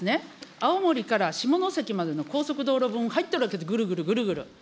青森から下関までの高速道路分、入ってるわけですよ、ぐるぐるぐるぐる。